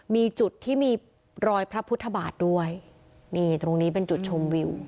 มีจุดที่มีรอยพระพุทธบาทด้วยนี่ตรงนี้เป็นจุดชมวิว